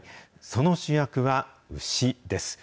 その主役は牛です。